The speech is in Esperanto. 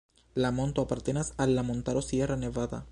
La monto apartenas al la montaro Sierra Nevada.